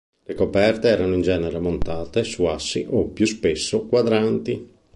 Le coperte erano in genere montate su assi o, più spesso, quadranti.